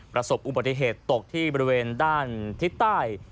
ประสบอุบัติเหตุตกที่บริเวณด้านทิศใต้